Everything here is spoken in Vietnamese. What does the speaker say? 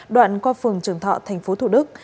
đoạn qua phường trường thọ tp thủ đức